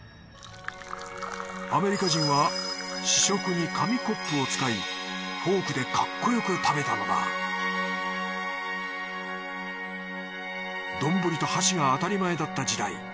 アメリカ人は試食に紙コップを使いフォークでかっこよく食べたのだどんぶりと箸が当たり前だった時代。